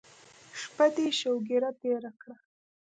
شپه دې شوګیره تېره کړه.